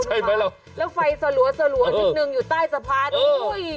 ใช่ไหมแล้วแล้วไฟเสลวเสลวจุดหนึ่งอยู่ใต้สะพานเอ้ออุ้ย